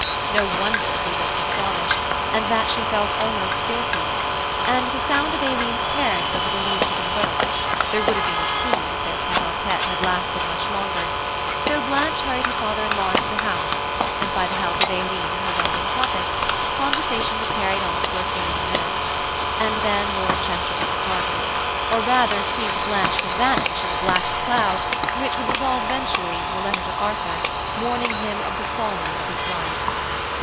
No wonder he looked astonished, and that she felt almost guilty; and the sound of Aileen's carriage was a relief to them both; there would have been a scene if their tête à tête had lasted much longer; so Blanche hurried her father in law into the house, and, by the help of Aileen and her London topics, conversation was carried on for a few more minutes: and then Lord Chesterton departed, or rather seemed to Blanche to vanish in a black cloud which would dissolve eventually into a letter to Arthur, warning him of the folly of his wife.